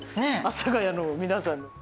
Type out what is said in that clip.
阿佐ヶ谷の皆さんに。